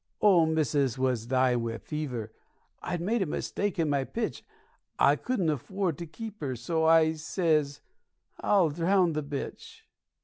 The missus was dyin' wi' fever I'd made a mistake in my pitch, I couldn't afford to keep her, so I sez, 'I'll drownd the bitch.'